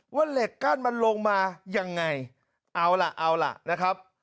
เหล็กกั้นมันลงมายังไงเอาล่ะเอาล่ะนะครับ